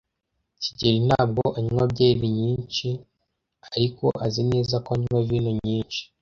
kigeli ntabwo anywa byeri nyinshi, ariko azi neza ko anywa vino nyinshi.